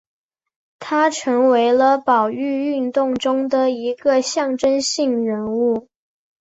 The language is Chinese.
他成为了保育运动中的一个象征性人物。